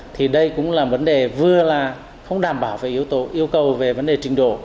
thì đây cũng là vấn đề vừa là không đảm bảo về yêu cầu về vấn đề trình độ